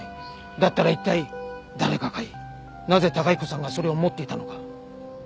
だったら一体誰が買いなぜ崇彦さんがそれを持っていたのか。